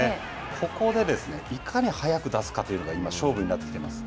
ここでいかに早く出すかというのが今、勝負になってきています。